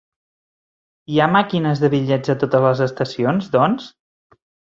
Hi ha màquines de bitllets a totes les estacions doncs?